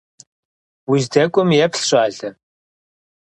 Уздэкӏуэм еплъ, щӏалэ!